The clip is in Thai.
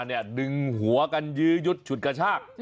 อันนี้ดึงหวกันยืดชุดกระชาก